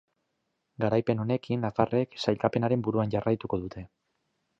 Garaipen honekin, nafarrek sailkapenaren buruan jarraituko dute.